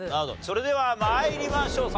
それでは参りましょう。